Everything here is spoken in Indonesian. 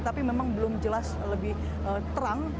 tapi memang belum jelas lebih terang